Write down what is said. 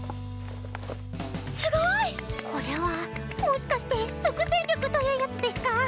すごい！これはもしかして即戦力というやつデスカ？